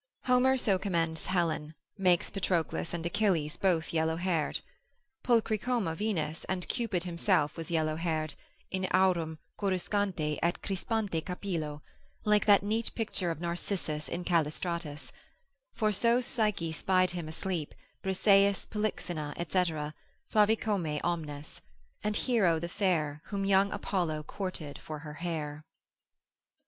Homer so commends Helen, makes Patroclus and Achilles both yellow haired: Pulchricoma Venus, and Cupid himself was yellow haired, in aurum coruscante et crispante capillo, like that neat picture of Narcissus in Callistratus; for so Psyche spied him asleep, Briseis, Polixena, &c. flavicomae omnes, ———and Hero the fair, Whom young Apollo courted for her hair.